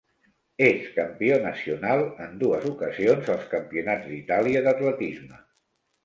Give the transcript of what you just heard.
És campió nacional en dues ocasions als Campionats d'Itàlia d'Atletisme.